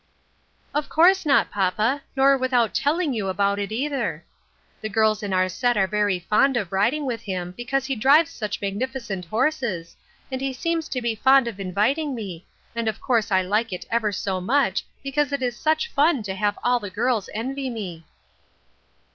" Of course not, papa ; nor without telling you about it either. The girls in our set are very fond of riding with him because he drives such magnifi cent horses, and he seems to be fond of inviting me, and of course I like it ever so much, because it is such fun to have all the girls envy me."